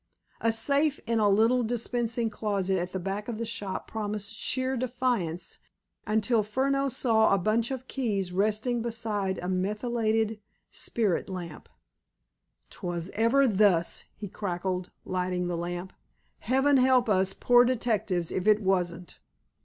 A safe in the little dispensing closet at the back of the shop promised sheer defiance until Furneaux saw a bunch of keys resting beside a methylated spirit lamp. "'Twas ever thus!" he cackled, lighting the lamp. "Heaven help us poor detectives if it wasn't!"